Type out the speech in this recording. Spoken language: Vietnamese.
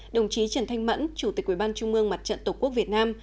đồng chí trần thanh mẫn chủ tịch quỹ ban trung mương mặt trận tổ quốc việt nam